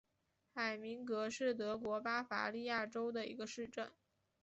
海明格是德国巴伐利亚州的一个市镇。